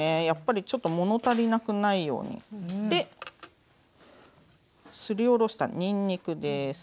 やっぱりちょっと物足りなくないように。ですりおろしたにんにくです。